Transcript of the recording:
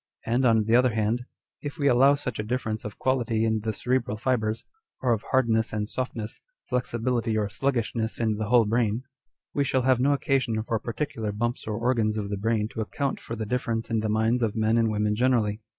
And, on the other hand, if we allow such a difference of quality in the cerebral fibres, or of hardness and softness, flexibility or sluggishness in the whole brain, we shall have no occasion for particular bumps or organs of the brain to account for the difference in the minds of men and women generally.